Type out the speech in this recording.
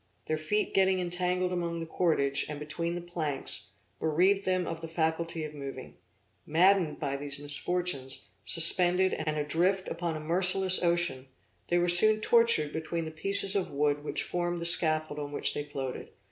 Their feet getting entangled among the cordage, and between the planks, bereaved them of the faculty of moving. Maddened by these misfortunes, suspended, and adrift upon a merciless ocean, they were soon tortured between the pieces of wood which formed the scaffold on which they floated.